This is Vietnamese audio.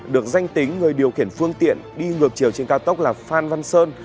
được danh tính người điều khiển phương tiện đi ngược chiều trên cao tốc là phan văn sơn